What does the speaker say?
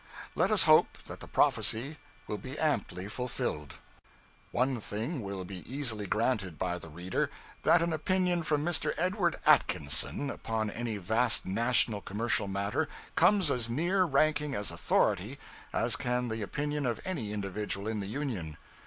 Let us hope that the prophecy will be amply fulfilled. One thing will be easily granted by the reader; that an opinion from Mr. Edward Atkinson, upon any vast national commercial matter, comes as near ranking as authority, as can the opinion of any individual in the Union.